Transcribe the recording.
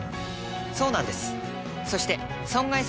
そうなんです。